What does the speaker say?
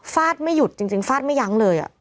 ไม่หยุดจริงฟาดไม่ยั้งเลย